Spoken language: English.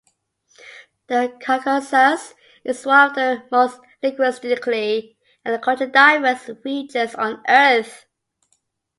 The Caucasus is one of the most linguistically and culturally diverse regions on Earth.